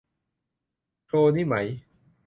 โคลนี้ไหม